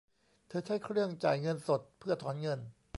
เธอใช้เครื่องจ่ายเงินสดเพื่อถอนเงิน